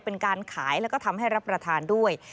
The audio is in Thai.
เป็นการขายแล้วก็ทำให้รับประทานด้วย